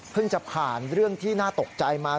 จะผ่านเรื่องที่น่าตกใจมา